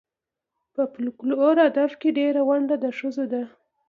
په فولکور ادب کې ډېره ونډه د ښځو ده.